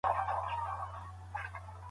واک او اختیار د پروردګار له لوري ورکول کیږي.